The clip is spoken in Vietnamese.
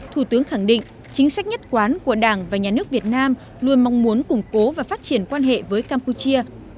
thủ tướng khẳng định chính sách nhất quán của đảng và nhà nước việt nam luôn mong muốn củng cố và phát triển quan hệ với campuchia